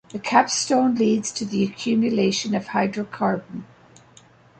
This capstone leads to the accumulation of the hydrocarbon.